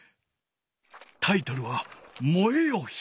タイトルは「燃えよ火」！